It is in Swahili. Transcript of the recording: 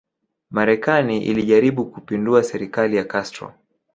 Marekani ilijaribu kuipindua serikali ya Castro